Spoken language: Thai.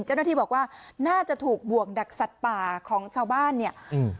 เจ้าหน้าที่บอกว่าน่าจะถูกบ่วงดักสัตว์ป่าของชาวบ้านเนี่ยอืม